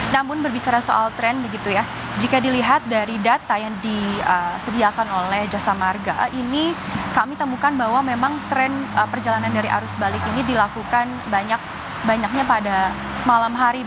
namun berbicara soal tren begitu ya jika dilihat dari data yang disediakan oleh jasa marga ini kami temukan bahwa memang tren perjalanan dari arus balik ini dilakukan banyaknya pada malam hari